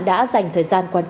và lê ch dunus cho biết